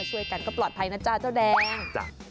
ช่วยกันก็ปลอดภัยนะจ๊ะเจ้าแดง